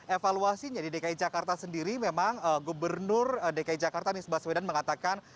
evaluasinya di dki jakarta sendiri memang gubernur dki jakarta nisbah swedan mengatakan